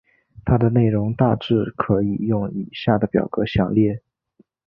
它的内容大致可以用以下的表格详列。